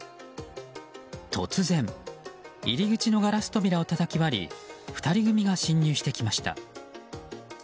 突然、入り口のガラス扉をたたき割り２人組が侵入してきました。